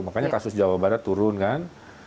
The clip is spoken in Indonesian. makanya kasus jawa barat turun kan